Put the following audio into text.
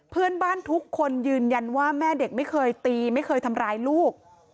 เพื่อนบ้านทุกคนยืนยันว่าแม่เด็กไม่เคยตีไม่เคยทำร้ายลูก